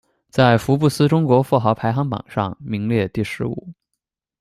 在福布斯中国富豪排行榜上，名列第十五。